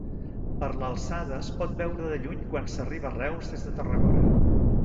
Per l'alçada es pot veure de lluny quan s'arriba a Reus des de Tarragona.